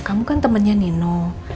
kamu kan temennya nino